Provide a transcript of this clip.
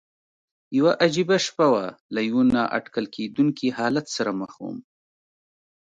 یوه عجیبه شپه وه، له یوه نا اټکل کېدونکي حالت سره مخ ووم.